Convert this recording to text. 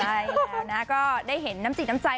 ใช่แล้วก็ได้เห็นน้ำจิตน้ำใจ